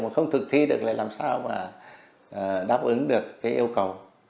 mà không thực thi được lại làm sao mà đáp ứng được cái yêu cầu